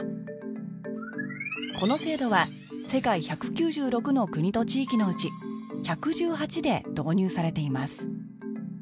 この制度は世界１９６の国と地域のうち１１８で導入されています